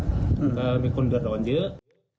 แล้วก็มีคนเดือดร้อนเยอะ